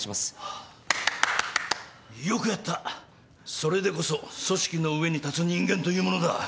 それでこそ組織の上に立つ人間というものだ。